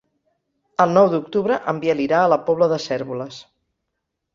El nou d'octubre en Biel irà a la Pobla de Cérvoles.